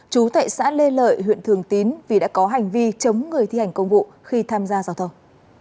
chú tại xã lê lợi huyện thường tín vì đã có hành vi chống người thi hành công vụ khi tham gia giao thông